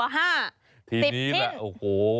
๑๐ชิ้นทีนี้แหละโอ้โฮ